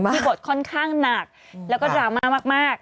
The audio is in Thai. บทค่อนข้างหนักแล้วก็ดราม่ามาก